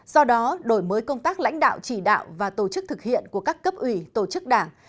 do đó đổi mới công tác lãnh đạo chỉ đạo và tổ chức thực hiện của các cấp ủy tổ chức đảng